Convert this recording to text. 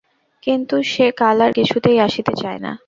কিন্তু সে কাল আর কিছুতেই আসিতে চায় না।